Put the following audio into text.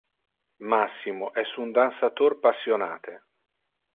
Massimo es un dansator passionate.